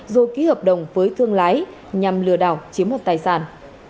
rồi ký hợp đồng với thương lái nhằm lừa đảo chiếm hoạt tài sản